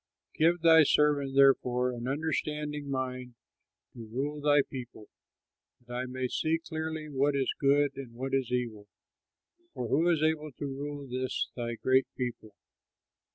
Give thy servant, therefore, an understanding mind to rule thy people, that I may see clearly what is good and what is evil; for who is able to rule this thy great people?"